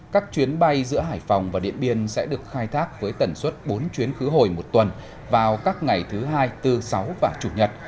các chuyến bay giữa hải phòng và điện biên sẽ được khai thác với tần suất bốn chuyến khứ hồi một tuần vào các ngày thứ hai thứ sáu và chủ nhật